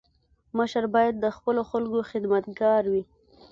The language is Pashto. مشر باید د خپلو خلکو خدمتګار وي.